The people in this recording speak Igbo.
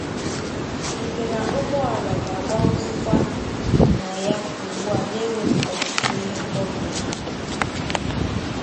nke na ụgbọala ga-agbanwuzịkwa na ya ugbua n'enweghị ọtụtụ ihe mkpọbiụkwụ